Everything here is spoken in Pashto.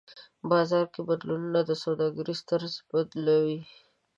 بازار کې بدلونونه د سوداګرۍ طرز بدلوي.